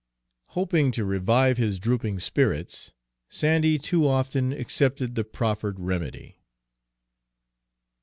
Hoping to revive his drooping spirits, Sandy too often accepted the proffered remedy.